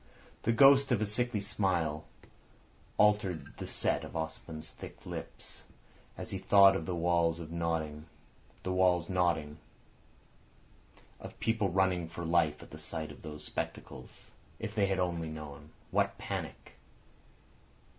The ghost of a sickly smile altered the set of Ossipon's thick lips at the thought of the walls nodding, of people running for life at the sight of those spectacles. If they had only known! What a panic!